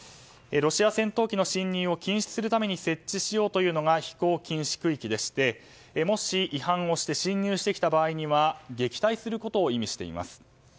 ロシア戦闘機の進入を禁止するために設置しようというのが飛行禁止区域でしてもし、違反をして侵入してきた場合には撃退することを意味しています。